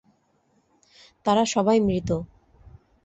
তারা সবাই মৃত।